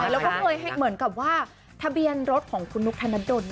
แล้วก็เคยเหมือนกับว่าทะเบียนรถของคุณนุกธนดล